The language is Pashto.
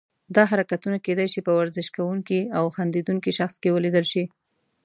دا حرکتونه کیدای شي په ورزش کوونکي او خندیدونکي شخص کې ولیدل شي.